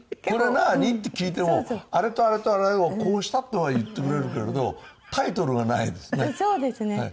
これ何？って聞いてもあれとあれとあれをこうしたとは言ってくれるけれどタイトルがないですね。